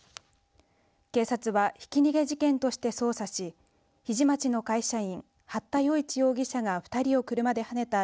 警察はひき逃げ事件として捜査し日出町の会社員八田與一容疑者が２人を車ではねた